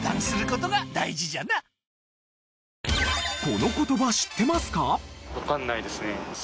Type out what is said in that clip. この言葉知ってますか？